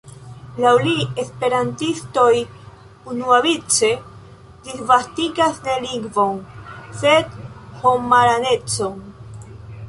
Laŭ li, esperantistoj unuavice disvastigas ne lingvon, sed homaranecon.